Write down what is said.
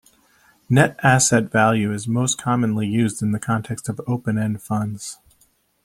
Net asset value is most commonly used in the context of open-end funds.